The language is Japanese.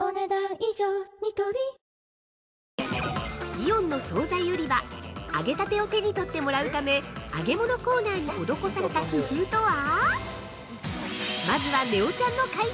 イオンの総菜売り場揚げたてを手に取ってもらうため揚げ物コーナーに施された工夫とは？